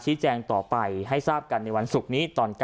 แจ้งต่อไปให้ทราบกันในวันศุกร์นี้ตอน๙